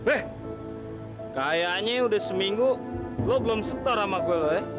eh kayaknya udah seminggu lo belum setor sama gue